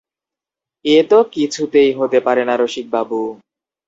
এ তো কিছুতেই হতে পারে না রসিকবাবু!